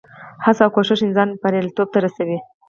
هڅه او کوښښ انسان بریالیتوب ته رسوي.